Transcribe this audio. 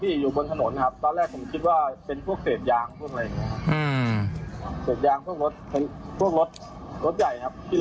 ตอนแรกผมก็ยังไม่มั่นใจว่าเป็นศพหรือเปล่าครับพี่